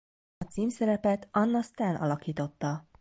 A címszerepet Anna Sten alakította.